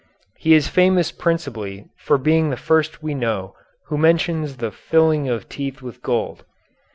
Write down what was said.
He is famous principally for being the first we know who mentions the filling of teeth with gold.